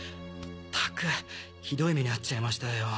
ったくひどい目にあっちゃいましたよ。